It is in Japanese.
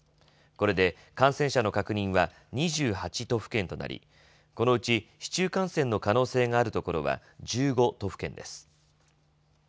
これで感染者の確認は２８都府県となりこのうち市中感染の可能性がある所は１５都府県です。